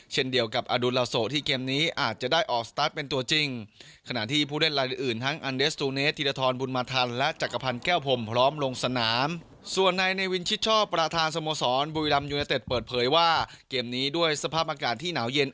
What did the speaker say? เช่นเดียวกับอดุลาโสที่เกมนี้อาจจะได้ออกสตาร์ทเป็นตัวจริง